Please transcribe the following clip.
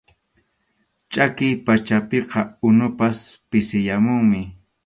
Chʼakiy pachapiqa unupas pisiyamunmi.